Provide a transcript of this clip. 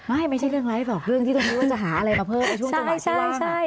ไม่ไม่ใช่เรื่องไรแต่ว่าเรื่องที่ต้องดูว่าจะหาอะไรมาเพิ่มใช่ใช่ใช่